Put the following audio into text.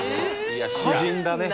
いや詩人だね。